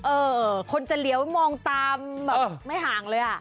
เออคนจะเลี้ยวมองตามแบบไม่ห่างเลยอ่ะ